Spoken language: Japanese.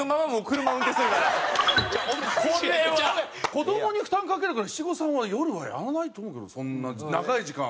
子どもに負担かけるから七五三は夜はやらないと思うけどそんな長い時間は。